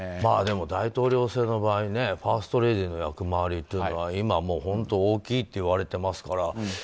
大統領制の場合ファーストレディーの役回りって今、本当大きいといわれてますから。